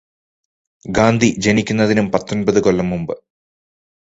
ഗാന്ധി ജനിക്കുന്നതിനും പത്തൊന്പതു കൊല്ലം മുന്പ്.